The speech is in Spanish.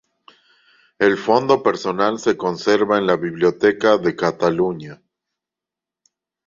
El fondo personal se conserva en la Biblioteca de Catalunya.